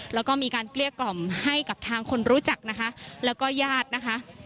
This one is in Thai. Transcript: แล้วก็มีการเกลี้ยกล่อมให้กับทางคนรู้จักนะคะแล้วก็ญาตินะคะ